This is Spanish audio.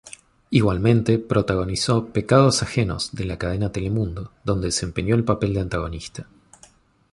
Igualmente, protagonizó "Pecados ajenos" de la cadena Telemundo, donde desempeñó el papel de antagonista.